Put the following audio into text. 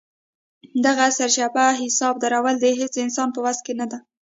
دغه سرچپه حساب درول د هېڅ انسان په وس کې نه ده.